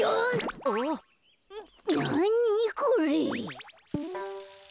なにこれ？